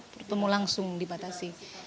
bertemu langsung dibatasi